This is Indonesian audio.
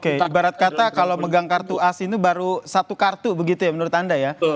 tabarat kata kalau megang kartu asi itu baru satu kartu begitu ya menurut anda ya